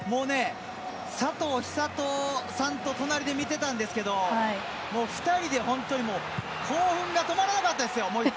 佐藤寿人さんと隣で見てたんですけど２人で本当に興奮が止まらなかったですよ。